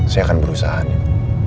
saya akan berusaha din